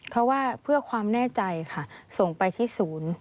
เขาว่าเพื่อความแน่ใจค่ะส่งไปที่ศูนย์